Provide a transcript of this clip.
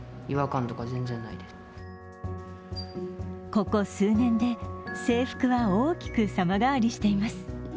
ここ数年で制服は大きく様変わりしています。